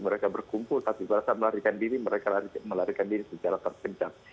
mereka berkumpul tapi merasa melarikan diri mereka melarikan diri secara terpencar